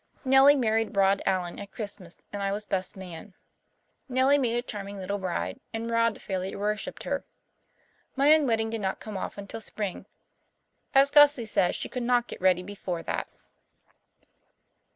Nellie married Rod Allen at Christmas and I was best man. Nellie made a charming little bride, and Rod fairly worshipped her. My own wedding did not come off until spring, as Gussie said she could not get ready before that.